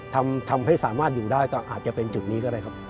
ทำให้สามารถอยู่ได้ก็อาจจะเป็นจุดนี้ก็ได้ครับ